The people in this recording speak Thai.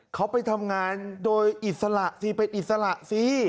เขาไปทำงานโดยอิสระสิเป็นอิสระสิ